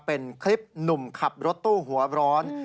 เป็นคลิปหนุ่มขับรถตู้หัวร้อน